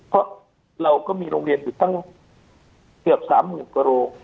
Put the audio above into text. เพราะเราก็มีโรงเรียนอยู่ตั้งเกือบ๓๐๐๐กว่าโรง